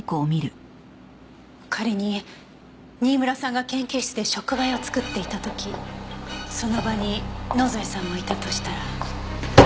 仮に新村さんが研究室で触媒を作っていた時その場に野添さんもいたとしたら。